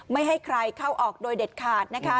ไม่ให้ใครเข้าออกโดยเด็ดขาดนะคะ